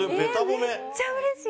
めっちゃうれしい！